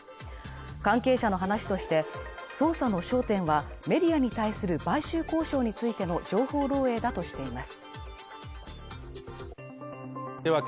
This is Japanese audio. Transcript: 関係者の話として、捜査の焦点は、メディアに対する買収交渉についての情報漏洩だとしています。